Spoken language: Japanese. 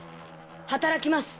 働きます。